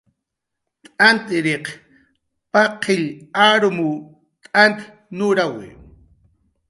T'ant urkiriq paqill arumw t'ant nurawi